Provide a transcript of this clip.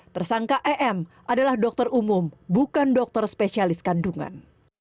tersangka em adalah dokter umum bukan dokter spesialis kandungan